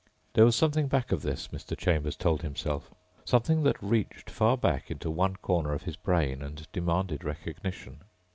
There was something back of this, Mr. Chambers told himself. Something that reached far back into one corner of his brain and demanded recognition.